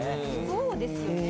そうですよね